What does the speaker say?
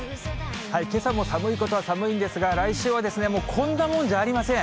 けさも寒いことは寒いんですが、来週はもうこんなもんじゃありません。